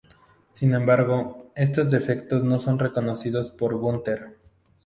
Sin embargo, estos defectos no son reconocidos por Bunter.